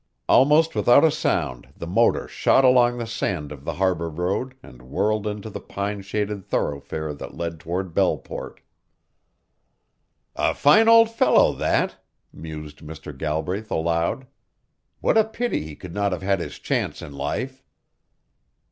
Almost without a sound the motor shot along the sand of the Harbor Road and whirled into the pine shaded thoroughfare that led toward Belleport. "A fine old fellow that!" mused Mr. Galbraith aloud. "What a pity he could not have had his chance in life."